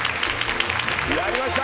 やりました！